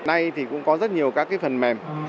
nay thì cũng có rất nhiều các phần mềm